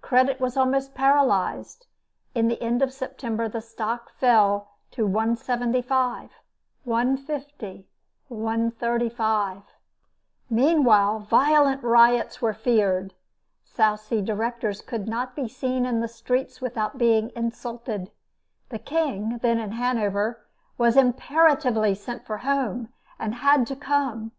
Credit was almost paralyzed. In the end of September, the stock fell to 175, 150, 135. Meanwhile violent riots were feared. South Sea directors could not be seen in the streets without being insulted. The King, then in Hanover, was imperatively sent for home, and had to come.